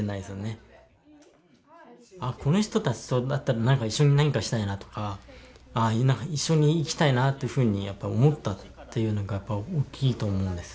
ああこの人たちとだったらなんか一緒に何かしたいなとか一緒に生きたいなというふうにやっぱ思ったというのがやっぱ大きいと思うんです。